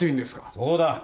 そうだ！